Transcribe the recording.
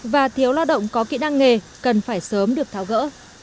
và thiếu lao động có kỹ năng nghề cần phải sớm được tháo gỡ